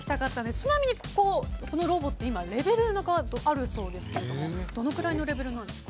ちなみにこのロボットレベルがあるそうですがどのくらいのレベルなんですか？